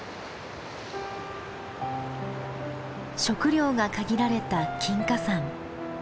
食料が限られた金華山。